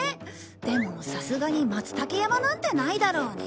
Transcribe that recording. でもさすがに松たけ山なんてないだろうね。